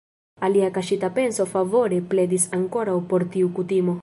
Alia kaŝita penso favore pledis ankoraŭ por tiu kutimo.